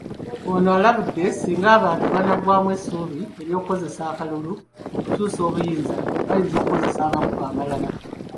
Ono alabudde, singa abantu banaggwaamu essuubi ly'okukozesa akalulu okukyusa obuyinza, bayinza okukozesa amakubo amalala.